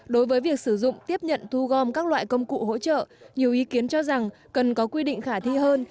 đối với việc sử dụng tiếp nhận thu gom các loại công cụ hỗ trợ nhiều ý kiến cho rằng cần có quy định khả thi hơn